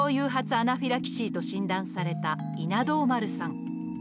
アナフィラキシーと診断された稲童丸さん。